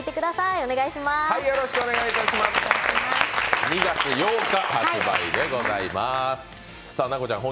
お願いします。